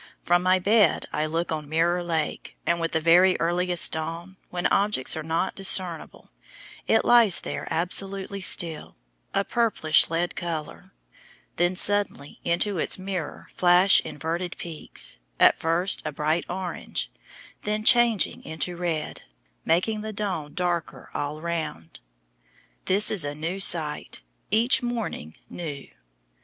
From my bed I look on Mirror Lake, and with the very earliest dawn, when objects are not discernible, it lies there absolutely still, a purplish lead color. Then suddenly into its mirror flash inverted peaks, at first a dawn darker all round. This is a new sight, each morning new.